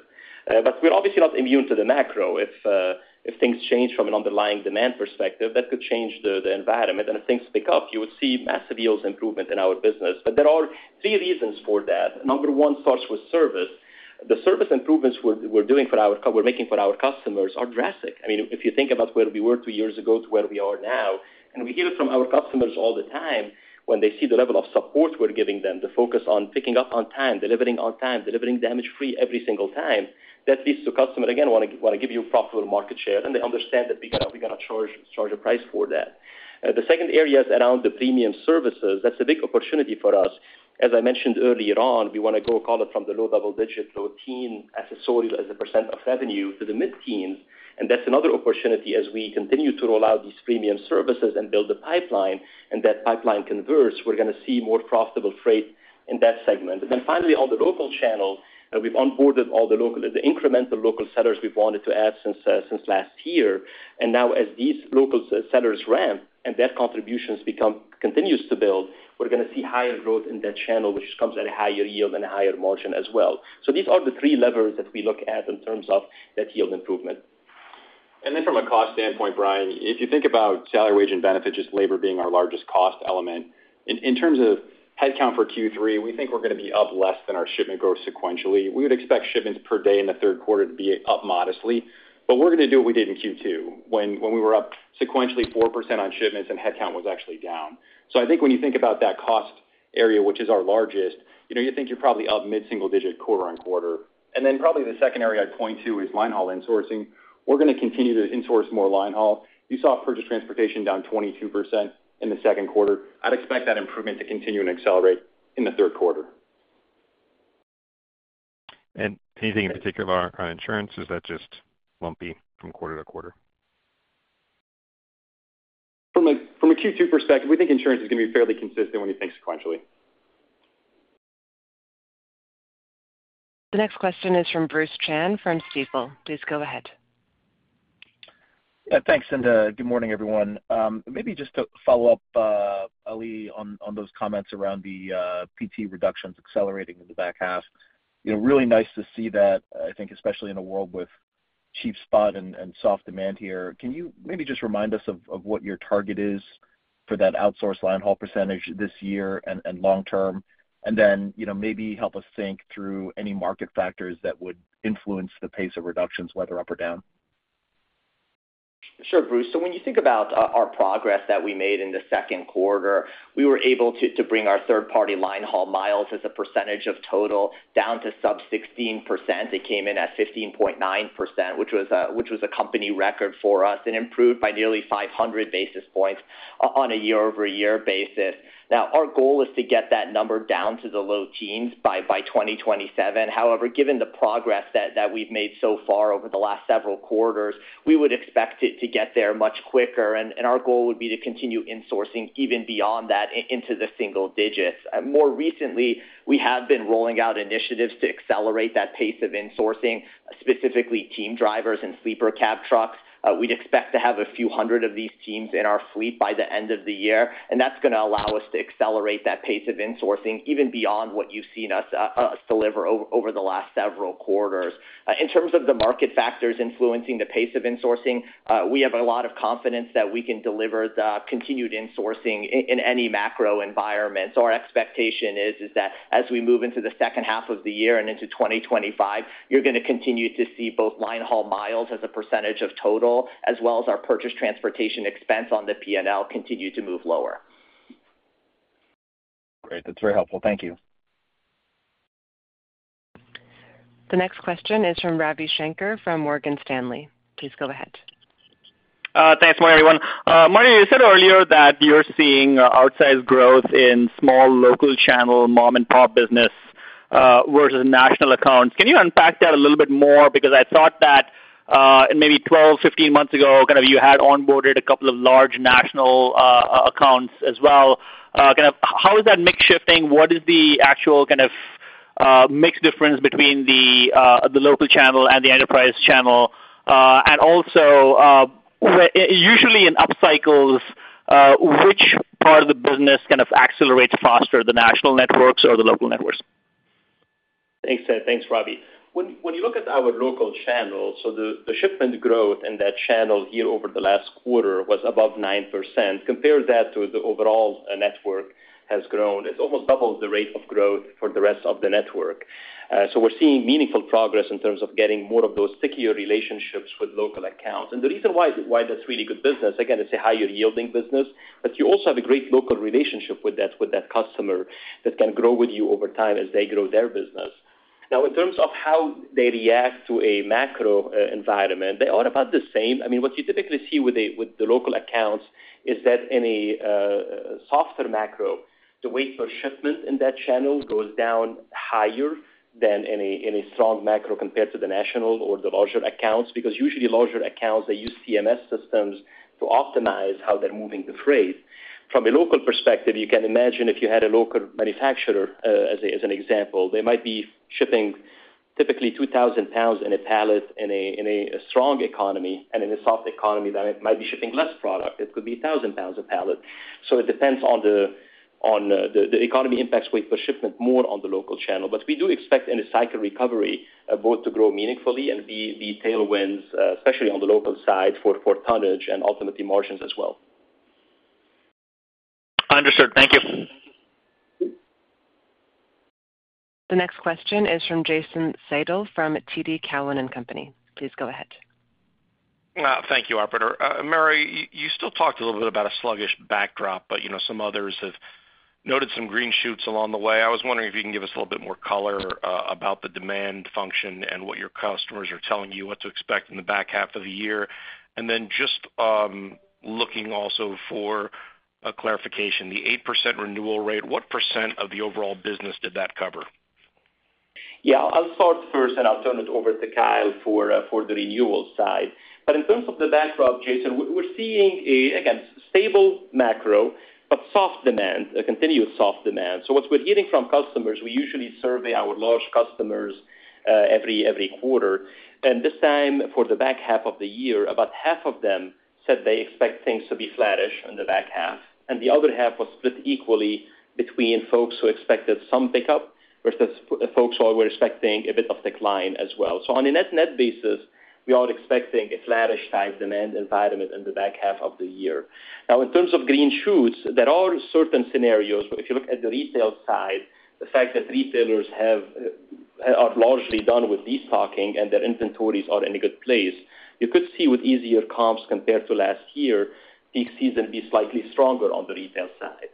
but we're obviously not immune to the macro. If things change from an underlying demand perspective, that could change the environment. And if things pick up, you would see massive yield improvement in our business. But there are three reasons for that. Number one starts with service. The service improvements we're making for our customers are drastic. I mean, if you think about where we were two years ago to where we are now, and we hear it from our customers all the time when they see the level of support we're giving them, the focus on picking up on time, delivering on time, delivering damage-free every single time, that leads to customers, again, want to give you profitable market share, and they understand that we're going to charge a price for that. The second area is around the premium services. That's a big opportunity for us. As I mentioned earlier on, we want to go call it from the low double-digit, low teen, accessorial, as a % of revenue to the mid-teens. And that pipeline converts, we're going to see more profitable freight in that segment. And then finally, on the local channel, we've onboarded all the incremental local sellers we've wanted to add since last year. And now, as these local sellers ramp and their contributions continue to build, we're going to see higher growth in that channel, which comes at a higher yield and a higher margin as well. So these are the three levers that we look at in terms of that yield improvement. And then from a cost standpoint, Brian, if you think about salary, wage, and benefits, just labor being our largest cost element, in terms of headcount for Q3, we think we're going to be up less than our shipment growth sequentially. We would expect shipments per day in the third quarter to be up modestly, but we're going to do what we did in Q2 when we were up sequentially 4% on shipments and headcount was actually down. So I think when you think about that cost area, which is our largest, you think you're probably up mid-single digit quarter on quarter. And then probably the second area I'd point to is linehaul insourcing. We're going to continue to insource more linehaul. You saw Purchased Transportation down 22% in the second quarter. I'd expect that improvement to continue and accelerate in the third quarter. Anything in particular about our insurance? Is that just lumpy from quarter to quarter? From a Q2 perspective, we think insurance is going to be fairly consistent when we think sequentially. The next question is from Bruce Chan from Stifel. Please go ahead. Yeah. Thanks. Good morning, everyone. Maybe just to follow up, Ali, on those comments around the PT reductions accelerating in the back half. Really nice to see that, I think, especially in a world with cheap spot and soft demand here. Can you maybe just remind us of what your target is for that outsourced line haul percentage this year and long-term? And then maybe help us think through any market factors that would influence the pace of reductions, whether up or down. Sure, Bruce. So when you think about our progress that we made in the second quarter, we were able to bring our third-party line haul miles as a percentage of total down to sub 16%. It came in at 15.9%, which was a company record for us, and improved by nearly 500 basis points on a year-over-year basis. Now, our goal is to get that number down to the low teens by 2027. However, given the progress that we've made so far over the last several quarters, we would expect it to get there much quicker. And our goal would be to continue insourcing even beyond that into the single digits. More recently, we have been rolling out initiatives to accelerate that pace of insourcing, specifically team drivers and sleeper cab trucks. We'd expect to have a few hundred of these teams in our fleet by the end of the year. That's going to allow us to accelerate that pace of insourcing even beyond what you've seen us deliver over the last several quarters. In terms of the market factors influencing the pace of insourcing, we have a lot of confidence that we can deliver the continued insourcing in any macro environment. Our expectation is that as we move into the second half of the year and into 2025, you're going to continue to see both line haul miles as a percentage of total as well as our purchased transportation expense on the P&L continue to move lower. Great. That's very helpful. Thank you. The next question is from Ravi Shankar from Morgan Stanley. Please go ahead. Thanks, Mario, everyone. Mario, you said earlier that you're seeing outsized growth in small local channel mom-and-pop business versus national accounts. Can you unpack that a little bit more? Because I thought that maybe 12-15 months ago, kind of you had onboarded a couple of large national accounts as well. Kind of how is that mix shifting? What is the actual kind of mix difference between the local channel and the enterprise channel? And also, usually in upcycles, which part of the business kind of accelerates faster, the national networks or the local networks? Thanks, Seth. Thanks, Ravi. When you look at our local channel, so the shipment growth in that channel here over the last quarter was above 9%. Compare that to the overall network has grown. It's almost double the rate of growth for the rest of the network. So we're seeing meaningful progress in terms of getting more of those stickier relationships with local accounts. And the reason why that's really good business, again, it's a higher yielding business, but you also have a great local relationship with that customer that can grow with you over time as they grow their business. Now, in terms of how they react to a macro environment, they are about the same. I mean, what you typically see with the local accounts is that in a softer macro, the weight per shipment in that channel goes down higher than in a strong macro compared to the national or the larger accounts because usually larger accounts, they use TMS systems to optimize how they're moving the freight. From a local perspective, you can imagine if you had a local manufacturer as an example, they might be shipping typically 2,000 pounds in a pallet in a strong economy, and in a soft economy, they might be shipping less product. It could be 1,000 pounds a pallet. So it depends on the economy impacts weight per shipment more on the local channel. But we do expect in a cycle recovery both to grow meaningfully and be tailwinds, especially on the local side for tonnage and ultimately margins as well. Understood. Thank you. The next question is from Jason Seidl from TD Cowen. Please go ahead. Thank you, Operator. Mario, you still talked a little bit about a sluggish backdrop, but some others have noted some green shoots along the way. I was wondering if you can give us a little bit more color about the demand function and what your customers are telling you what to expect in the back half of the year. And then just looking also for a clarification, the 8% renewal rate, what % of the overall business did that cover? Yeah. I'll start first, and I'll turn it over to Kyle for the renewal side. But in terms of the backdrop, Jason, we're seeing, again, stable macro, but soft demand, continuous soft demand. So what we're hearing from customers, we usually survey our large customers every quarter. And this time, for the back half of the year, about half of them said they expect things to be flattish in the back half. And the other half was split equally between folks who expected some pickup versus folks who were expecting a bit of decline as well. So on a net-net basis, we are expecting a flattish type demand environment in the back half of the year. Now, in terms of green shoots, there are certain scenarios where if you look at the retail side, the fact that retailers are largely done with destocking and their inventories are in a good place, you could see with easier comps compared to last year, peak season be slightly stronger on the retail side.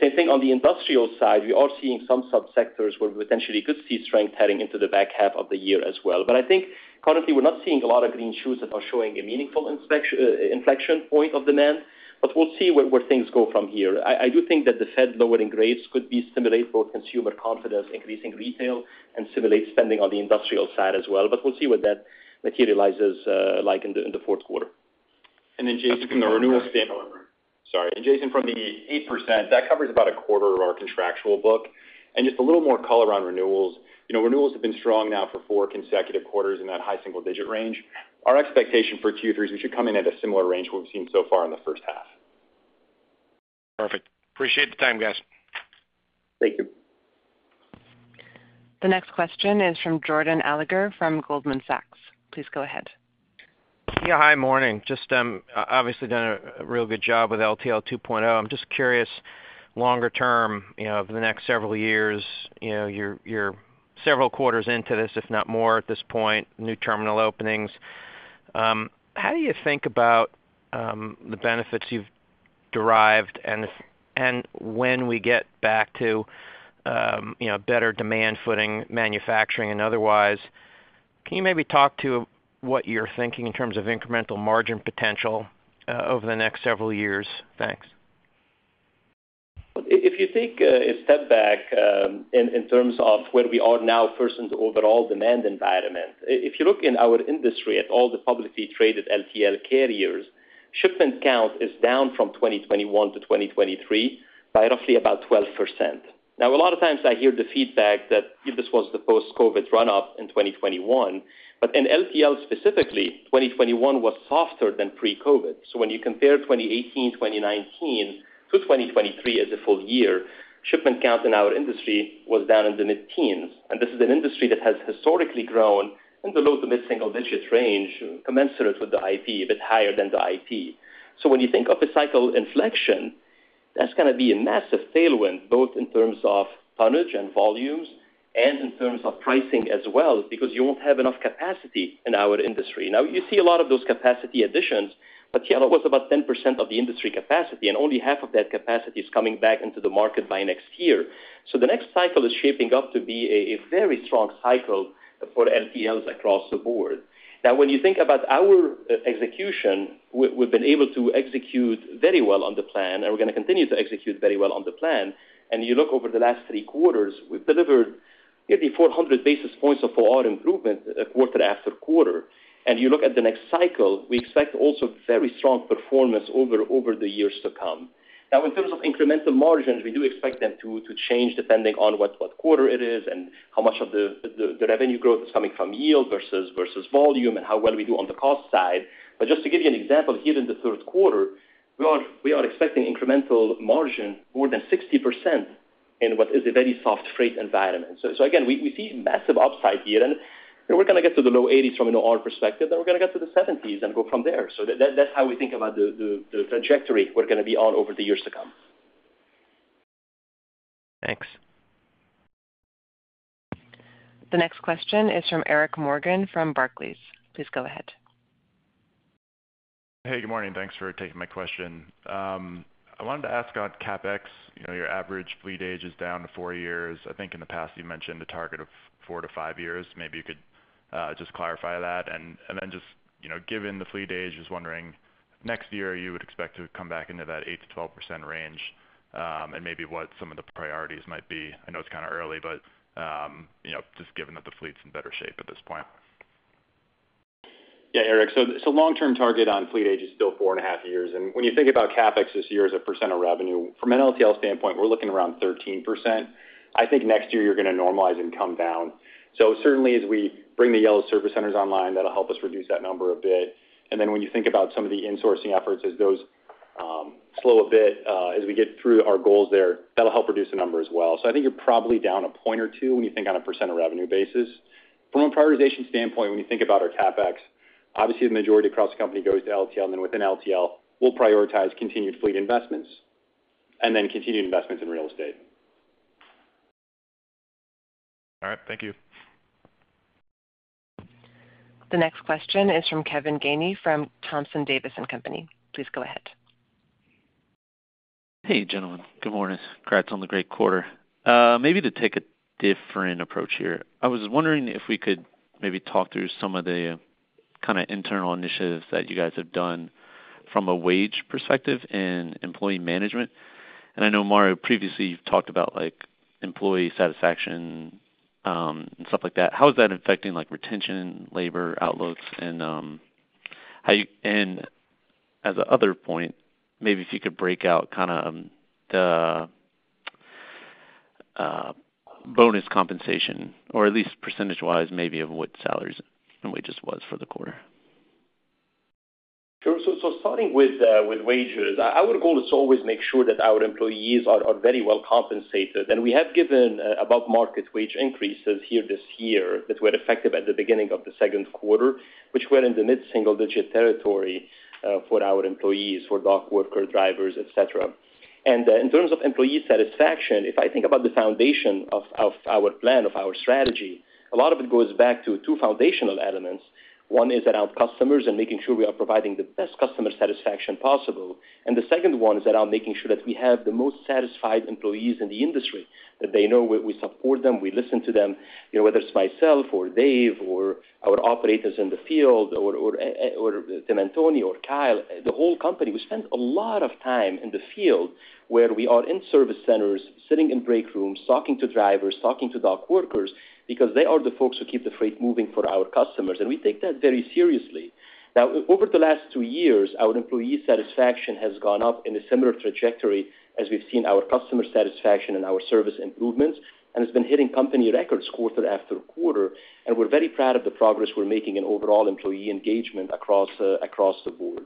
Same thing on the industrial side. We are seeing some subsectors where we potentially could see strength heading into the back half of the year as well. But I think currently we're not seeing a lot of green shoots that are showing a meaningful inflection point of demand, but we'll see where things go from here. I do think that the Fed lowering rates could stimulate both consumer confidence, increasing retail, and stimulate spending on the industrial side as well. But we'll see what that materializes like in the fourth quarter. And then Jason from the renewal standpoint. Sorry. Jason, from the 8%, that covers about a quarter of our contractual book. Just a little more color on renewals. Renewals have been strong now for four consecutive quarters in that high single digit range. Our expectation for Q3 is we should come in at a similar range we've seen so far in the first half. Perfect. Appreciate the time, guys. Thank you. The next question is from Jordan Alliger from Goldman Sachs. Please go ahead. Yeah. Hi, morning. Just obviously done a real good job with LTL 2.0. I'm just curious, longer term, over the next several years. You're several quarters into this, if not more at this point, new terminal openings. How do you think about the benefits you've derived and when we get back to better demand footing, manufacturing and otherwise? Can you maybe talk to what you're thinking in terms of incremental margin potential over the next several years? Thanks. If you take a step back in terms of where we are now versus the overall demand environment, if you look in our industry at all the publicly traded LTL carriers, shipment count is down from 2021 to 2023 by roughly about 12%. Now, a lot of times I hear the feedback that this was the post-COVID run-up in 2021, but in LTL specifically, 2021 was softer than pre-COVID. So when you compare 2018, 2019 to 2023 as a full year, shipment count in our industry was down in the mid-teens. And this is an industry that has historically grown in the low- to mid-single-digit range, commensurate with the IP, a bit higher than the IP. So when you think of a cycle inflection, that's going to be a massive tailwind both in terms of tonnage and volumes and in terms of pricing as well because you won't have enough capacity in our industry. Now, you see a lot of those capacity additions, but Yellow was about 10% of the industry capacity, and only half of that capacity is coming back into the market by next year. So the next cycle is shaping up to be a very strong cycle for LTLs across the board. Now, when you think about our execution, we've been able to execute very well on the plan, and we're going to continue to execute very well on the plan. And you look over the last three quarters, we've delivered nearly 400 basis points of forward improvement quarter after quarter. You look at the next cycle, we expect also very strong performance over the years to come. Now, in terms of incremental margins, we do expect them to change depending on what quarter it is and how much of the revenue growth is coming from yield versus volume and how well we do on the cost side. But just to give you an example here in the third quarter, we are expecting incremental margin more than 60% in what is a very soft freight environment. So again, we see massive upside here, and we're going to get to the low 80s from our perspective, then we're going to get to the 70s and go from there. That's how we think about the trajectory we're going to be on over the years to come. Thanks. The next question is from Eric Morgan from Barclays. Please go ahead. Hey, good morning. Thanks for taking my question. I wanted to ask about CapEx. Your average fleet age is down to 4 years. I think in the past you mentioned a target of 4-5 years. Maybe you could just clarify that. And then just given the fleet age, just wondering next year you would expect to come back into that 8%-12% range and maybe what some of the priorities might be. I know it's kind of early, but just given that the fleet's in better shape at this point. Yeah, Eric. So long-term target on fleet age is still four and a half years. And when you think about CapEx this year as a percent of revenue, from an LTL standpoint, we're looking around 13%. I think next year you're going to normalize and come down. So certainly as we bring the Yellow service centers online, that'll help us reduce that number a bit. And then when you think about some of the insourcing efforts, as those slow a bit as we get through our goals there, that'll help reduce the number as well. So I think you're probably down a point or two when you think on a percent of revenue basis. From a prioritization standpoint, when you think about our CapEx, obviously the majority across the company goes to LTL, and then within LTL, we'll prioritize continued fleet investments and then continued investments in real estate. All right. Thank you. The next question is from Kevin Gainey from Thompson Davis & Company. Please go ahead. Hey, gentlemen. Good morning. Congrats on the great quarter. Maybe to take a different approach here, I was wondering if we could maybe talk through some of the kind of internal initiatives that you guys have done from a wage perspective and employee management. I know, Mario, previously you've talked about employee satisfaction and stuff like that. How is that affecting retention, labor outlooks, and how you—and as another point, maybe if you could break out kind of the bonus compensation, or at least percentage-wise, maybe of what salaries and wages was for the quarter. Starting with wages, I would call it to always make sure that our employees are very well compensated. We have given above-market wage increases here this year that were effective at the beginning of the second quarter, which were in the mid-single digit territory for our employees, for dock workers, drivers, etc. In terms of employee satisfaction, if I think about the foundation of our plan, of our strategy, a lot of it goes back to two foundational elements. One is around customers and making sure we are providing the best customer satisfaction possible. The second one is around making sure that we have the most satisfied employees in the industry, that they know we support them, we listen to them, whether it's myself or Dave or our operators in the field or Tim, Ali or Kyle, the whole company. We spend a lot of time in the field where we are in service centers, sitting in break rooms, talking to drivers, talking to dock workers because they are the folks who keep the freight moving for our customers. We take that very seriously. Now, over the last two years, our employee satisfaction has gone up in a similar trajectory as we've seen our customer satisfaction and our service improvements, and it's been hitting company records quarter after quarter. We're very proud of the progress we're making in overall employee engagement across the board.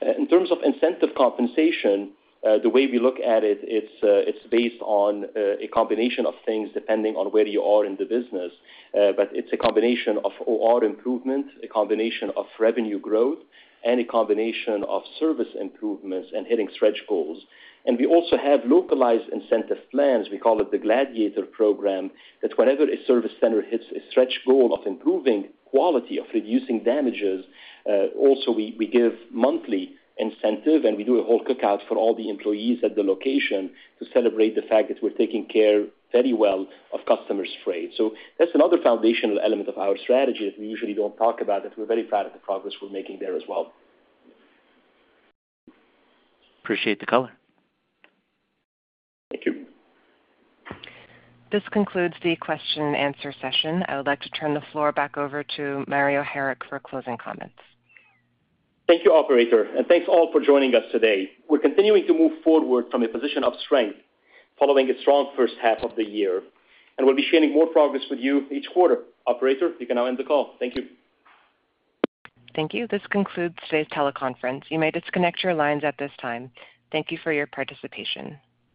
In terms of incentive compensation, the way we look at it, it's based on a combination of things depending on where you are in the business, but it's a combination of OR improvement, a combination of revenue growth, and a combination of service improvements and hitting stretch goals. And we also have localized incentive plans. We call it the Gladiator Program that whenever a service center hits a stretch goal of improving quality, of reducing damages, also we give monthly incentive, and we do a whole cookout for all the employees at the location to celebrate the fact that we're taking care very well of customers' freight. So that's another foundational element of our strategy that we usually don't talk about, that we're very proud of the progress we're making there as well. Appreciate the color. Thank you. This concludes the question-and-answer session. I would like to turn the floor back over to Mario Harik for closing comments. Thank you, Operator, and thanks all for joining us today. We're continuing to move forward from a position of strength following a strong first half of the year, and we'll be sharing more progress with you each quarter. Operator, you can now end the call. Thank you. Thank you. This concludes today's teleconference. You may disconnect your lines at this time. Thank you for your participation.